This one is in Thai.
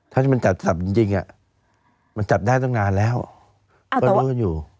ถ้าจริงมันจับจับจริงอะจับได้ตรงนานแล้วก็ดูกันอยู่